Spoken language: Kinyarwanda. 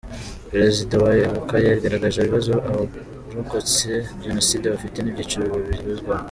Perezida wa Ibuka yagaragaje ibibazo abarokotse Jenoside bafite n’ibyiciro bibarizwamo.